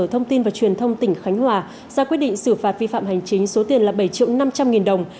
thông tin và truyền thông tỉnh khánh hòa ra quyết định xử phạt vi phạm hành chính số tiền bảy năm trăm linh đồng